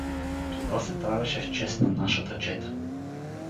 Това се правеше в чест на нашата чета.